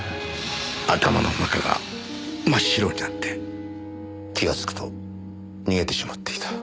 頭の中が真っ白になって気がつくと逃げてしまっていた。